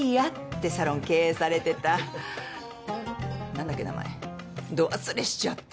何だっけ名前ど忘れしちゃった。